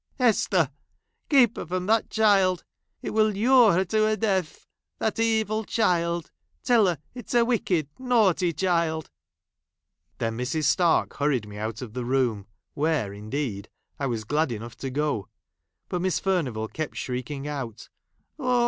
' i " Hester ! keep her from that child ! It i will lure her to her death ! That evil child !| Tell her it is a wicked, naughty child." Then, I Ml'S. Stark hurried me out of the room ;! where, indeed, I was glad enough to go ; but Miss Furnivall kept shrieking out, " Oh